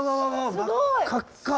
すごい！